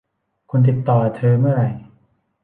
คุณติดต่อเธอเมื่อไหร่